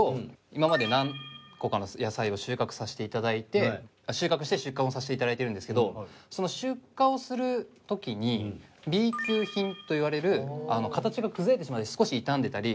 今まで何個かの野菜を収穫させて頂いて収穫して出荷もさせて頂いてるんですけどその出荷をする時にＢ級品といわれる形が崩れてしまったり少し傷んでたり